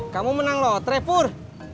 kamu menang lho tre pur